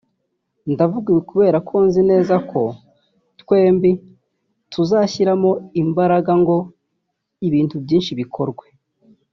ndavuga ibi kubera ko nzi neza ko twembi tuzashyiramo imbaraga ngo ibintu byinshi bikorwe